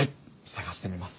探してみます。